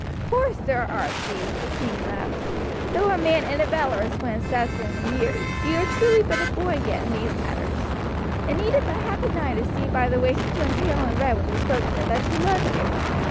"Poor Sir Archie!" the king laughed. "Though a man, and a valorous one in stature and in years, you are truly but a boy yet in these matters. It needed but half an eye to see by the way she turned pale and red when you spoke to her that she loves you.